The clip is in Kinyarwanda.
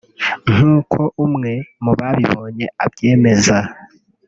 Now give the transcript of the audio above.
nk’uko umwe mu babibonye abyemeza